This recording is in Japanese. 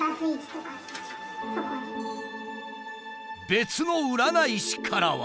別の占い師からは。